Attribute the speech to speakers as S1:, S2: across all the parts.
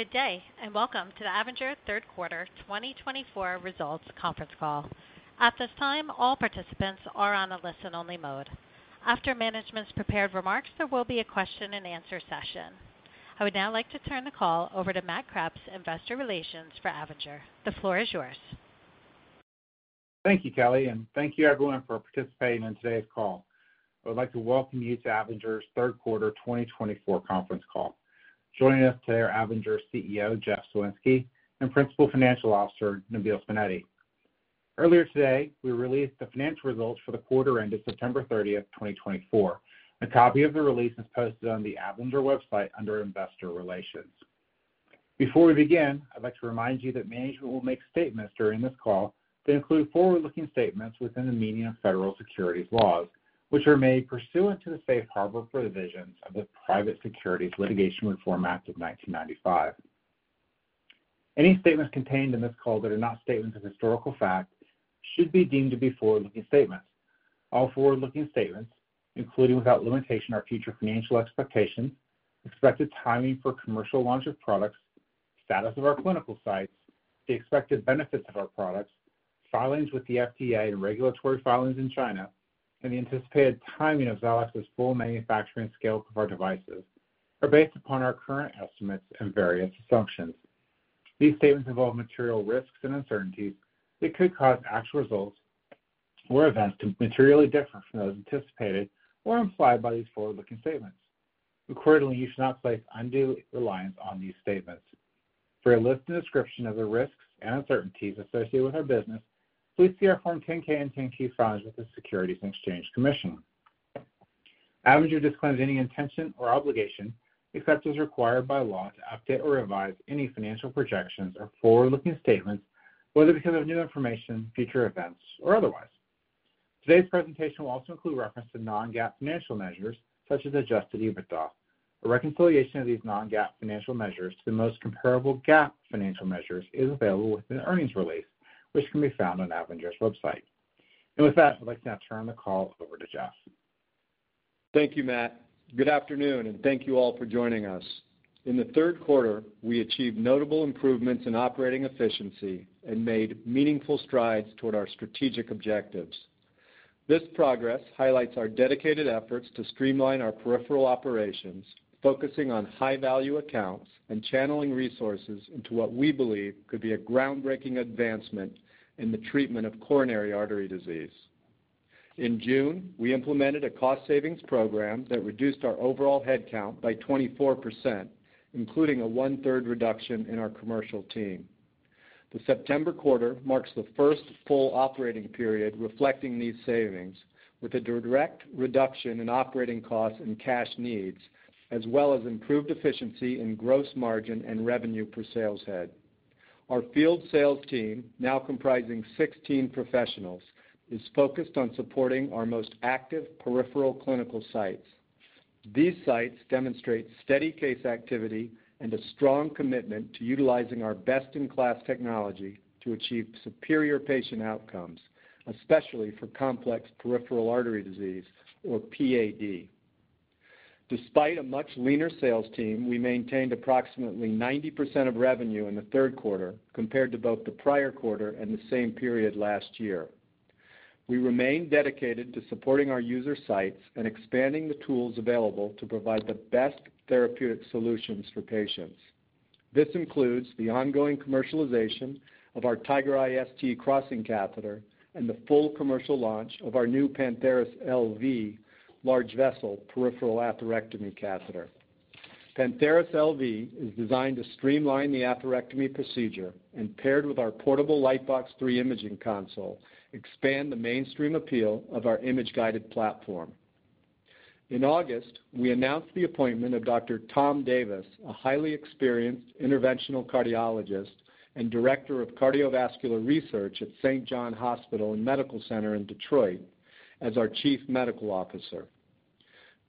S1: Good day and welcome to the Avinger Third Quarter 2024 Results Conference Call. At this time, all participants are on a listen-only mode. After management's prepared remarks, there will be a question-and-answer session. I would now like to turn the call over to Matt Kreps, Investor Relations for Avinger. The floor is yours.
S2: Thank you, Kelly, and thank you, everyone, for participating in today's call. I would like to welcome you to Avinger's Third Quarter 2024 Conference Call. Joining us today are Avinger CEO Jeff Soinski and Principal Financial Officer Nabeel Shabani. Earlier today, we released the financial results for the quarter ended September 30, 2024. A copy of the release is posted on the Avinger website under Investor Relations. Before we begin, I'd like to remind you that management will make statements during this call that include forward-looking statements within the meaning of federal securities laws, which are made pursuant to the safe harbor provisions of the Private Securities Litigation Reform Act of 1995. Any statements contained in this call that are not statements of historical fact should be deemed to be forward-looking statements. All forward-looking statements, including without limitation our future financial expectations, expected timing for commercial launch of products, status of our clinical sites, the expected benefits of our products, filings with the FDA and regulatory filings in China, and the anticipated timing of Zylox's full manufacturing scale of our devices, are based upon our current estimates and various assumptions. These statements involve material risks and uncertainties that could cause actual results or events to materially differ from those anticipated or implied by these forward-looking statements. Accordingly, you should not place undue reliance on these statements. For a list and description of the risks and uncertainties associated with our business, please see our Form 10-K and 10-Q filings with the Securities and Exchange Commission. Avinger discloses any intention or obligation, except as required by law, to update or revise any financial projections or forward-looking statements, whether because of new information, future events, or otherwise. Today's presentation will also include reference to non-GAAP financial measures such as adjusted EBITDA. A reconciliation of these non-GAAP financial measures to the most comparable GAAP financial measures is available with an earnings release, which can be found on Avinger's website. And with that, I'd like to now turn the call over to Jeff.
S3: Thank you, Matt. Good afternoon, and thank you all for joining us. In the third quarter, we achieved notable improvements in operating efficiency and made meaningful strides toward our strategic objectives. This progress highlights our dedicated efforts to streamline our peripheral operations, focusing on high-value accounts and channeling resources into what we believe could be a groundbreaking advancement in the treatment of coronary artery disease. In June, we implemented a cost savings program that reduced our overall headcount by 24%, including a one-third reduction in our commercial team. The September quarter marks the first full operating period reflecting these savings, with a direct reduction in operating costs and cash needs, as well as improved efficiency in gross margin and revenue per sales head. Our field sales team, now comprising 16 professionals, is focused on supporting our most active peripheral clinical sites. These sites demonstrate steady case activity and a strong commitment to utilizing our best-in-class technology to achieve superior patient outcomes, especially for complex peripheral artery disease, or PAD. Despite a much leaner sales team, we maintained approximately 90% of revenue in the third quarter compared to both the prior quarter and the same period last year. We remain dedicated to supporting our user sites and expanding the tools available to provide the best therapeutic solutions for patients. This includes the ongoing commercialization of our Tigereye ST crossing catheter and the full commercial launch of our new Pantheris LV large-vessel peripheral atherectomy catheter. Pantheris LV is designed to streamline the atherectomy procedure and, paired with our portable LightBox 3 imaging console, expand the mainstream appeal of our image-guided platform. In August, we announced the appointment of Dr. Tom Davis, a highly experienced interventional cardiologist and director of cardiovascular research at St. John Hospital and Medical Center in Detroit, as our chief medical officer.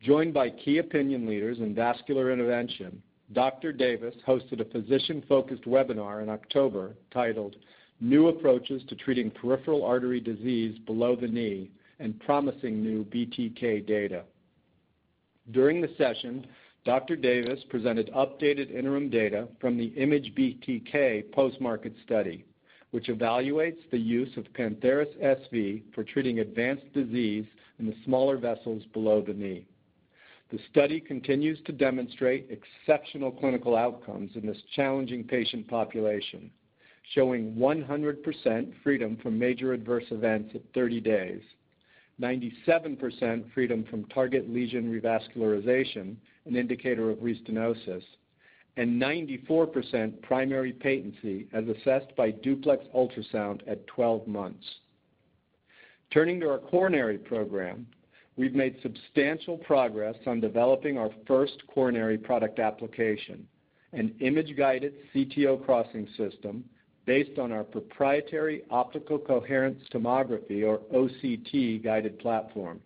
S3: Joined by key opinion leaders in vascular intervention, Dr. Davis hosted a physician-focused webinar in October titled, "New Approaches to Treating Peripheral Artery Disease Below the Knee and Promising New BTK Data." During the session, Dr. Davis presented updated interim data from the IMAGE-BTK post-market study, which evaluates the use of Pantheris SV for treating advanced disease in the smaller vessels below the knee. The study continues to demonstrate exceptional clinical outcomes in this challenging patient population, showing 100% freedom from major adverse events at 30 days, 97% freedom from target lesion revascularization, an indicator of restenosis, and 94% primary patency as assessed by duplex ultrasound at 12 months. Turning to our coronary program, we've made substantial progress on developing our first coronary product application, an image-guided CTO crossing system based on our proprietary Optical Coherence Tomography, or OCT, guided platform.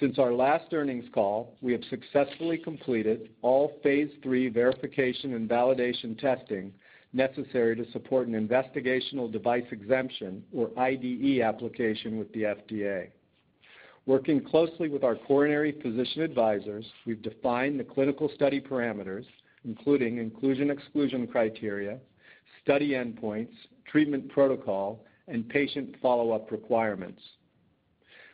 S3: Since our last earnings call, we have successfully completed all phase III verification and validation testing necessary to support an Investigational Device Exemption, or IDE, application with the FDA. Working closely with our coronary physician advisors, we've defined the clinical study parameters, including inclusion-exclusion criteria, study endpoints, treatment protocol, and patient follow-up requirements.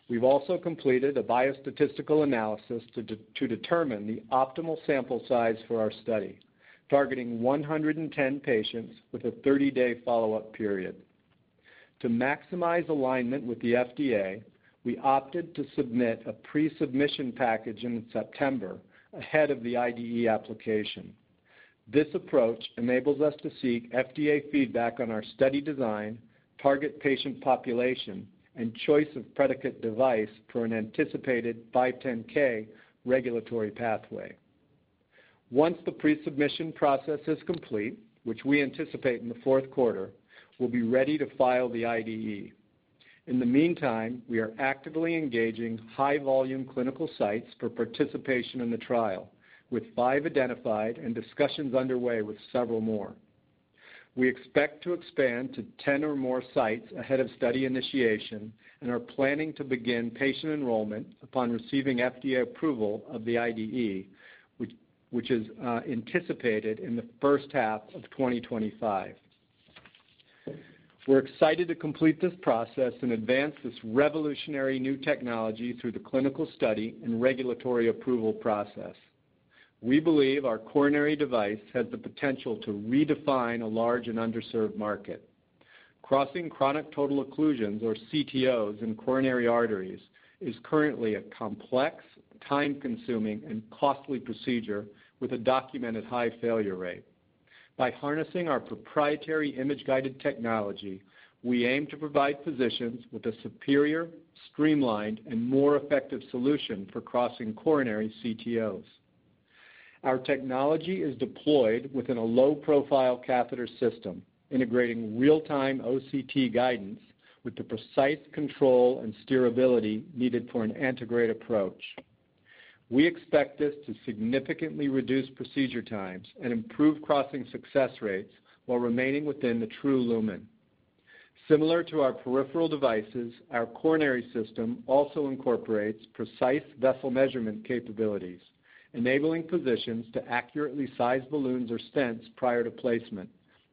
S3: We've also completed a biostatistical analysis to determine the optimal sample size for our study, targeting 110 patients with a 30-day follow-up period. To maximize alignment with the FDA, we opted to submit a pre-submission package in September ahead of the IDE application. This approach enables us to seek FDA feedback on our study design, target patient population, and choice of predicate device for an anticipated 510(k) regulatory pathway. Once the pre-submission process is complete, which we anticipate in the fourth quarter, we'll be ready to file the IDE. In the meantime, we are actively engaging high-volume clinical sites for participation in the trial, with five identified and discussions underway with several more. We expect to expand to 10 or more sites ahead of study initiation and are planning to begin patient enrollment upon receiving FDA approval of the IDE, which is anticipated in the first half of 2025. We're excited to complete this process and advance this revolutionary new technology through the clinical study and regulatory approval process. We believe our coronary device has the potential to redefine a large and underserved market. Crossing chronic total occlusions, or CTOs, in coronary arteries is currently a complex, time-consuming, and costly procedure with a documented high failure rate. By harnessing our proprietary image-guided technology, we aim to provide physicians with a superior, streamlined, and more effective solution for crossing coronary CTOs. Our technology is deployed within a low-profile catheter system, integrating real-time OCT guidance with the precise control and steerability needed for an antegrade approach. We expect this to significantly reduce procedure times and improve crossing success rates while remaining within the true lumen. Similar to our peripheral devices, our coronary system also incorporates precise vessel measurement capabilities, enabling physicians to accurately size balloons or stents prior to placement,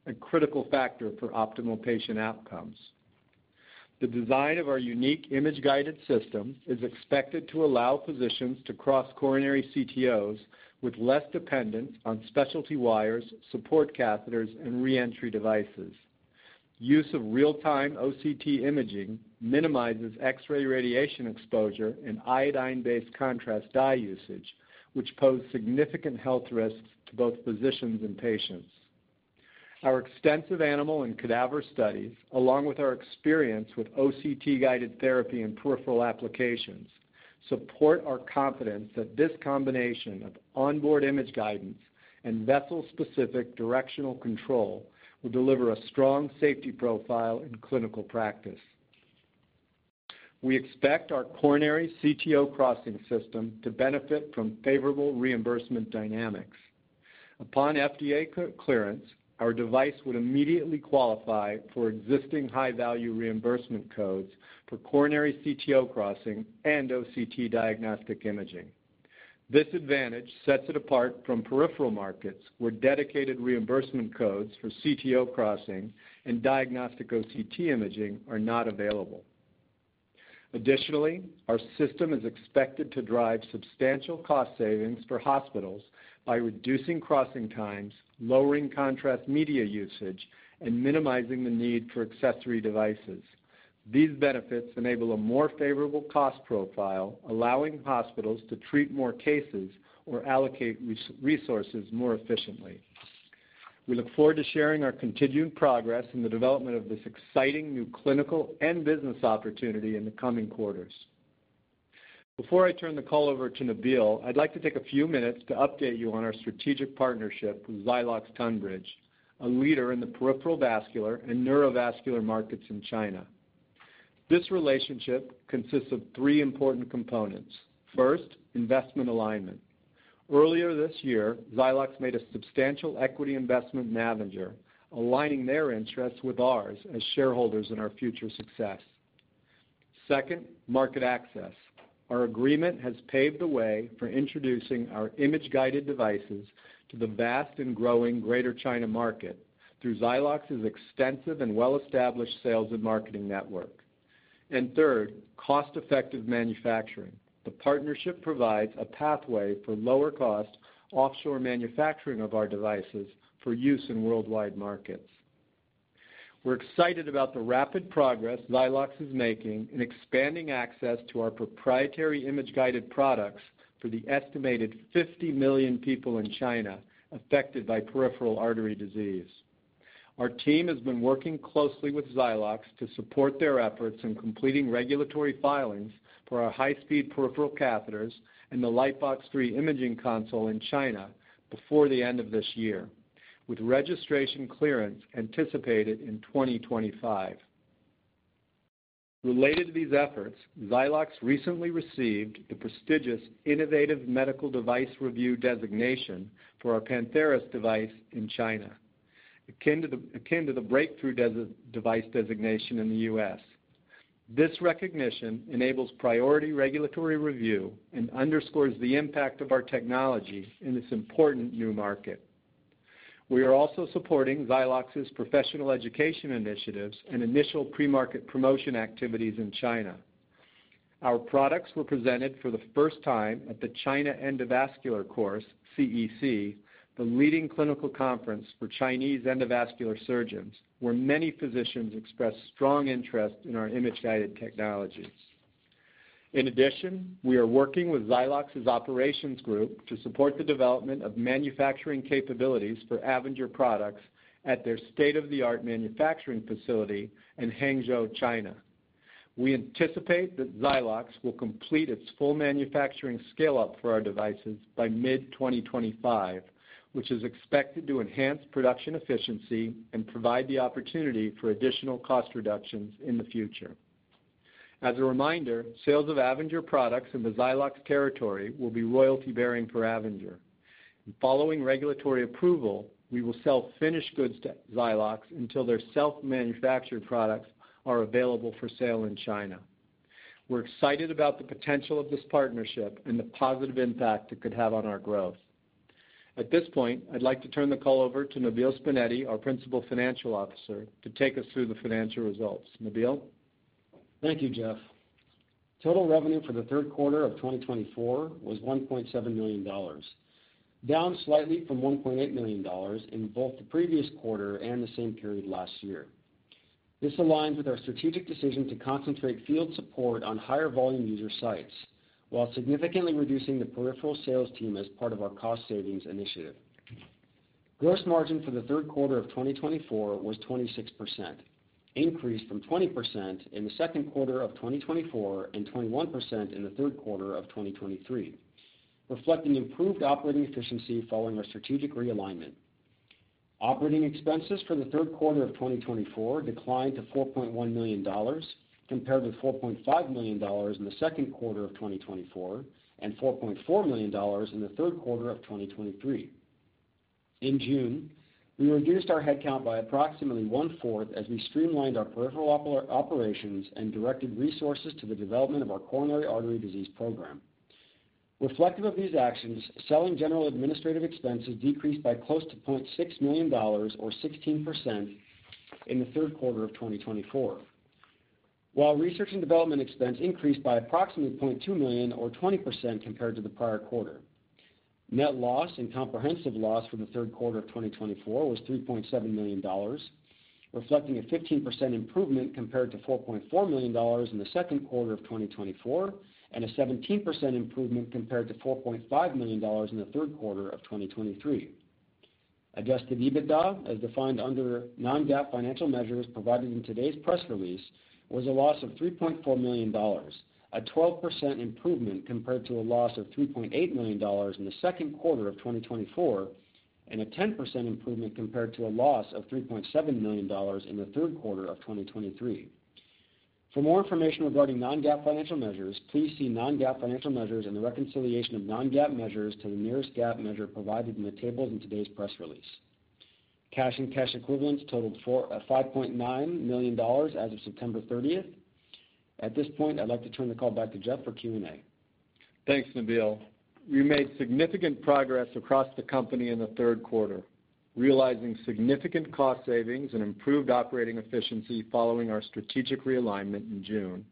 S3: a critical factor for optimal patient outcomes. The design of our unique image-guided system is expected to allow physicians to cross coronary CTOs with less dependence on specialty wires, support catheters, and reentry devices. Use of real-time OCT imaging minimizes X-ray radiation exposure and iodine-based contrast dye usage, which pose significant health risks to both physicians and patients. Our extensive animal and cadaver studies, along with our experience with OCT-guided therapy and peripheral applications, support our confidence that this combination of onboard image guidance and vessel-specific directional control will deliver a strong safety profile in clinical practice. We expect our coronary CTO crossing system to benefit from favorable reimbursement dynamics. Upon FDA clearance, our device would immediately qualify for existing high-value reimbursement codes for coronary CTO crossing and OCT diagnostic imaging. This advantage sets it apart from peripheral markets where dedicated reimbursement codes for CTO crossing and diagnostic OCT imaging are not available. Additionally, our system is expected to drive substantial cost savings for hospitals by reducing crossing times, lowering contrast media usage, and minimizing the need for accessory devices. These benefits enable a more favorable cost profile, allowing hospitals to treat more cases or allocate resources more efficiently. We look forward to sharing our continued progress in the development of this exciting new clinical and business opportunity in the coming quarters. Before I turn the call over to Nabeel, I'd like to take a few minutes to update you on our strategic partnership with Zylox-Tonbridge, a leader in the peripheral vascular and neurovascular markets in China. This relationship consists of three important components. First, investment alignment. Earlier this year, Zylox-Tonbridge made a substantial equity investment in Avinger, aligning their interests with ours as shareholders in our future success. Second, market access. Our agreement has paved the way for introducing our image-guided devices to the vast and growing Greater China market through Zylox-Tonbridge's extensive and well-established sales and marketing network. And third, cost-effective manufacturing. The partnership provides a pathway for lower-cost offshore manufacturing of our devices for use in worldwide markets. We're excited about the rapid progress Zylox-Tonbridge is making in expanding access to our proprietary image-guided products for the estimated 50 million people in China affected by peripheral artery disease. Our team has been working closely with Zylox-Tonbridge to support their efforts in completing regulatory filings for our high-speed peripheral catheters and the LightBox 3 imaging console in China before the end of this year, with registration clearance anticipated in 2025. Related to these efforts, Zylox-Tonbridge recently received the prestigious Innovative Medical Device Review designation for our Pantheris device in China, akin to the Breakthrough Device designation in the U.S. This recognition enables priority regulatory review and underscores the impact of our technology in this important new market. We are also supporting Zylox-Tonbridge's professional education initiatives and initial pre-market promotion activities in China. Our products were presented for the first time at the China Endovascular Course, CEC, the leading clinical conference for Chinese endovascular surgeons, where many physicians expressed strong interest in our image-guided technologies. In addition, we are working with Zylox-Tonbridge's operations group to support the development of manufacturing capabilities for Avinger products at their state-of-the-art manufacturing facility in Hangzhou, China. We anticipate that Zylox-Tonbridge will complete its full manufacturing scale-up for our devices by mid-2025, which is expected to enhance production efficiency and provide the opportunity for additional cost reductions in the future. As a reminder, sales of Avinger products in the Zylox-Tonbridge territory will be royalty-bearing for Avinger. Following regulatory approval, we will sell finished goods to Zylox-Tonbridge until their self-manufactured products are available for sale in China. We're excited about the potential of this partnership and the positive impact it could have on our growth. At this point, I'd like to turn the call over to Nabeel Shabani, our principal financial officer, to take us through the financial results. Nabeel?
S4: Thank you, Jeff. Total revenue for the third quarter of 2024 was $1.7 million, down slightly from $1.8 million in both the previous quarter and the same period last year. This aligns with our strategic decision to concentrate field support on higher-volume user sites while significantly reducing the peripheral sales team as part of our cost savings initiative. Gross margin for the third quarter of 2024 was 26%, increased from 20% in the second quarter of 2024 and 21% in the third quarter of 2023, reflecting improved operating efficiency following our strategic realignment. Operating expenses for the third quarter of 2024 declined to $4.1 million compared with $4.5 million in the second quarter of 2024 and $4.4 million in the third quarter of 2023. In June, we reduced our headcount by approximately one-fourth as we streamlined our peripheral operations and directed resources to the development of our coronary artery disease program. Reflective of these actions, selling general administrative expenses decreased by close to $0.6 million, or 16%, in the third quarter of 2024, while research and development expense increased by approximately $0.2 million, or 20%, compared to the prior quarter. Net loss and comprehensive loss for the third quarter of 2024 was $3.7 million, reflecting a 15% improvement compared to $4.4 million in the second quarter of 2024 and a 17% improvement compared to $4.5 million in the third quarter of 2023. Adjusted EBITDA, as defined under non-GAAP financial measures provided in today's press release, was a loss of $3.4 million, a 12% improvement compared to a loss of $3.8 million in the second quarter of 2024, and a 10% improvement compared to a loss of $3.7 million in the third quarter of 2023. For more information regarding non-GAAP financial measures, please see non-GAAP financial measures and the reconciliation of non-GAAP measures to the nearest GAAP measure provided in the tables in today's press release. Cash and cash equivalents totaled $5.9 million as of September 30th. At this point, I'd like to turn the call back to Jeff for Q&A.
S3: Thanks, Nabeel. We made significant progress across the company in the third quarter, realizing significant cost savings and improved operating efficiency following our strategic realignment in June,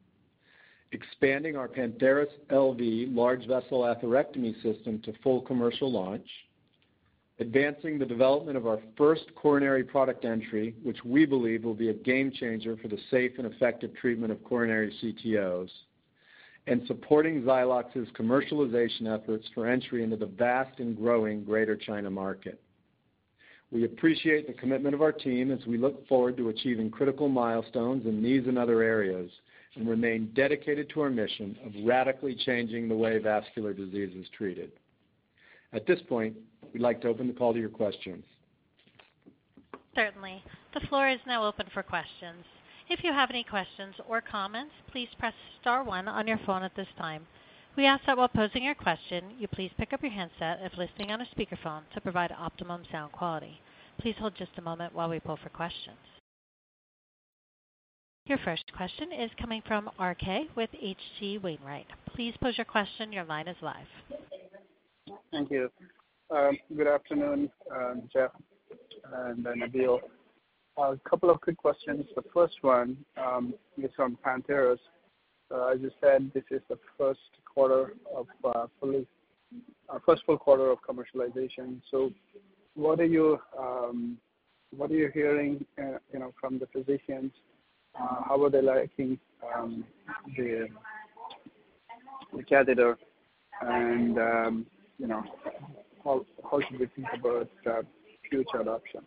S3: expanding our Pantheris LV large-vessel atherectomy system to full commercial launch, advancing the development of our first coronary product entry, which we believe will be a game changer for the safe and effective treatment of coronary CTOs, and supporting Zylox-Tonbridge's commercialization efforts for entry into the vast and growing Greater China market. We appreciate the commitment of our team as we look forward to achieving critical milestones in these and other areas and remain dedicated to our mission of radically changing the way vascular disease is treated.
S1: At this point, we'd like to open the call to your questions. Certainly. The floor is now open for questions. If you have any questions or comments, please press star one on your phone at this time. We ask that while posing your question, you please pick up your headset if listening on a speakerphone to provide optimum sound quality. Please hold just a moment while we pull for questions. Your first question is coming from RK with H.C. Wainwright. Please pose your question. Your line is live. Thank you. Good afternoon, Jeff and Nabeel. A couple of quick questions. The first one is from Pantheris. As you said, this is the first quarter of first full quarter of commercialization. So what are you hearing from the physicians? How are they liking the catheter? And how should we think about future adoption?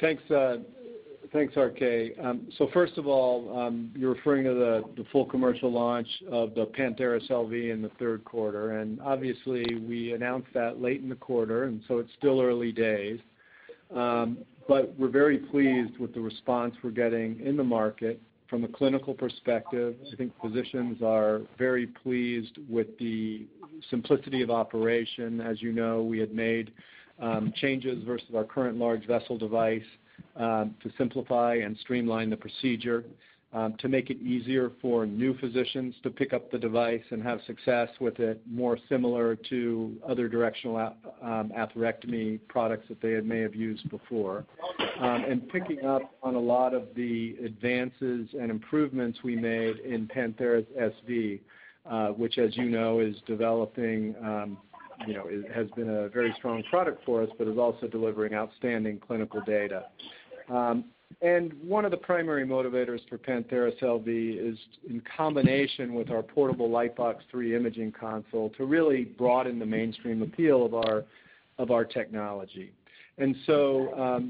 S3: Thanks, RK. So first of all, you're referring to the full commercial launch of the Pantheris LV in the third quarter. And obviously, we announced that late in the quarter, and so it's still early days. but we're very pleased with the response we're getting in the market from a clinical perspective. I think physicians are very pleased with the simplicity of operation. As you know, we had made changes versus our current large-vessel device to simplify and streamline the procedure to make it easier for new physicians to pick up the device and have success with it, more similar to other directional atherectomy products that they may have used before. And picking up on a lot of the advances and improvements we made in Pantheris SV, which, as you know, is developing, has been a very strong product for us, but is also delivering outstanding clinical data. And one of the primary motivators for Pantheris LV is, in combination with our portable LightBox 3 imaging console, to really broaden the mainstream appeal of our technology. And so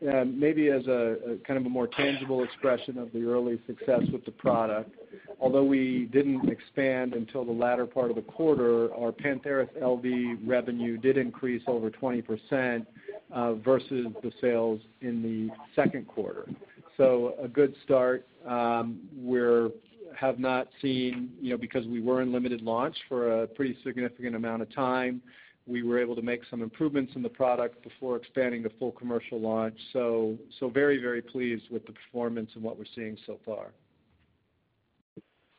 S3: maybe as a kind of a more tangible expression of the early success with the product, although we didn't expand until the latter part of the quarter, our Pantheris LV revenue did increase over 20% versus the sales in the second quarter. So a good start. We have not seen, because we were in limited launch for a pretty significant amount of time, we were able to make some improvements in the product before expanding to full commercial launch. So very, very pleased with the performance and what we're seeing so far.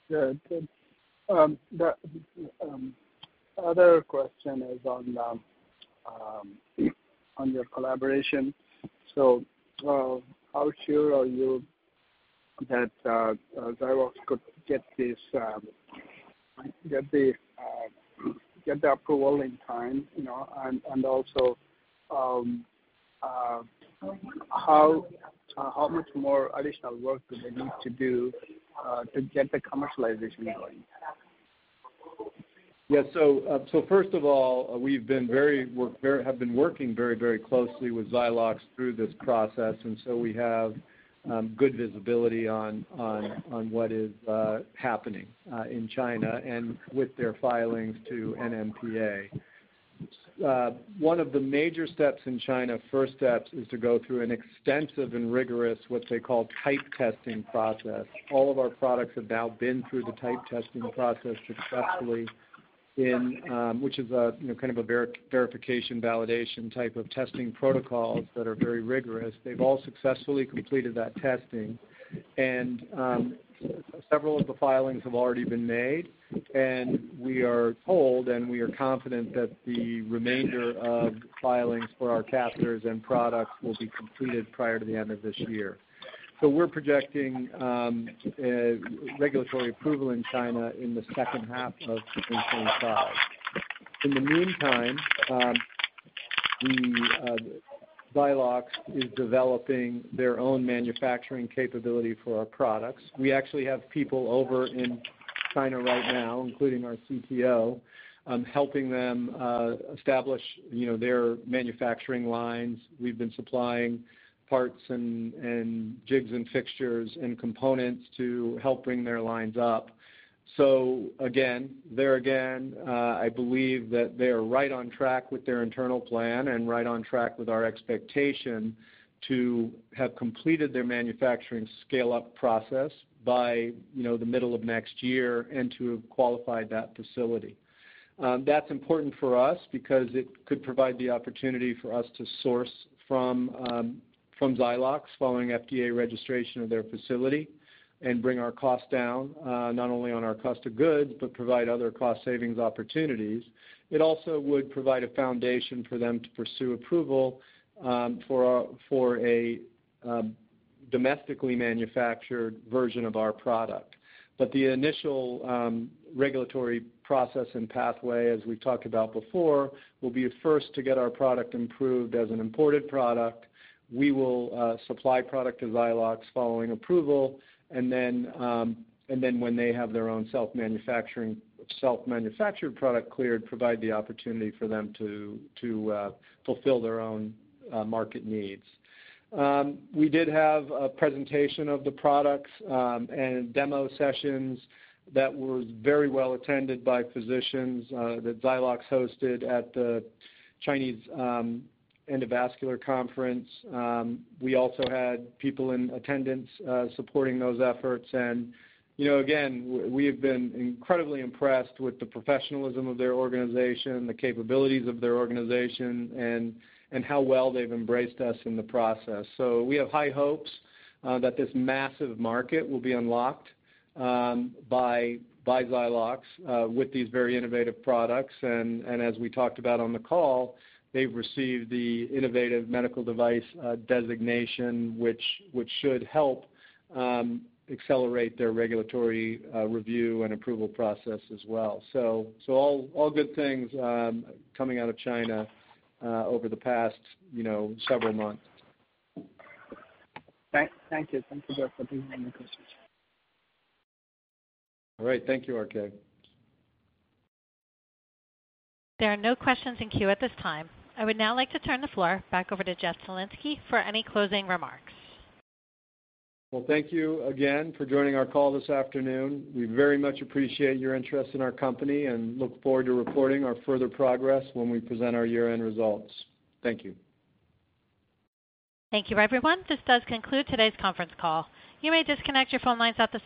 S3: Good. Good. Other question is on your collaboration. So how sure are you that Zylox could get the approval in time? And also, how much more additional work do they need to do to get the commercialization going? Yeah. So first of all, we have been working very, very closely with Zylox through this process. And so we have good visibility on what is happening in China and with their filings to NMPA. One of the major steps in China, first steps, is to go through an extensive and rigorous, what they call, type testing process. All of our products have now been through the type testing process successfully, which is kind of a verification validation type of testing protocols that are very rigorous. They have all successfully completed that testing. And several of the filings have already been made. And we are told, and we are confident, that the remainder of filings for our catheters and products will be completed prior to the end of this year. So we are projecting regulatory approval in China in the second half of 2025. In the meantime, Zylox is developing their own manufacturing capability for our products. We actually have people over in China right now, including our CTO, helping them establish their manufacturing lines. We've been supplying parts and jigs and fixtures and components to help bring their lines up. So again, I believe that they are right on track with their internal plan and right on track with our expectation to have completed their manufacturing scale-up process by the middle of next year and to have qualified that facility. That's important for us because it could provide the opportunity for us to source from Zylox following FDA registration of their facility and bring our cost down, not only on our cost of goods, but provide other cost savings opportunities. It also would provide a foundation for them to pursue approval for a domestically manufactured version of our product. But the initial regulatory process and pathway, as we've talked about before, will be first to get our product improved as an imported product. We will supply product to Zylox-Tonbridge following approval. And then when they have their own self-manufactured product cleared, provide the opportunity for them to fulfill their own market needs. We did have a presentation of the products and demo sessions that were very well attended by physicians that Zylox-Tonbridge hosted at the Chinese Endovascular Conference. We also had people in attendance supporting those efforts. And again, we have been incredibly impressed with the professionalism of their organization, the capabilities of their organization, and how well they've embraced us in the process. So we have high hopes that this massive market will be unlocked by Zylox-Tonbridge with these very innovative products. As we talked about on the call, they've received the innovative medical device designation, which should help accelerate their regulatory review and approval process as well. So all good things coming out of China over the past several months. Thank you. Thank you, Jeff, for taking my questions. All right. Thank you, RK.
S1: There are no questions in queue at this time. I would now like to turn the floor back over to Jeff Soinski for any closing remarks.
S3: Thank you again for joining our call this afternoon. We very much appreciate your interest in our company and look forward to reporting our further progress when we present our year-end results. Thank you.
S1: Thank you, everyone. This does conclude today's conference call. You may disconnect your phone lines after.